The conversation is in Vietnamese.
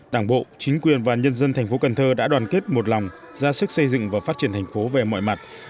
đảng bộ chính quyền và nhân dân thành phố cần thơ đã đoàn kết một lòng ra sức xây dựng và phát triển thành phố về mọi mặt